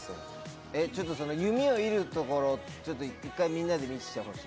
えっちょっとその弓を射るところをちょっと一回みんなで見せてほしいっす。